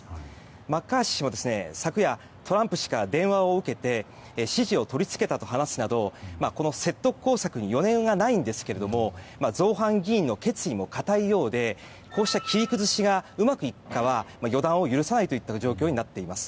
マッカーシー氏は昨夜トランプ氏から電話を受けて支持を取り付けたと話すなどこの説得工作に余念がないんですけれども造反議員の決意もかたいようでこうした切り崩しがうまくいくかは予断を許さないといった状況になっています。